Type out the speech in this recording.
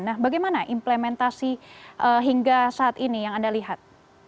nah bagaimana implementasi hingga saat ini yang anda lihat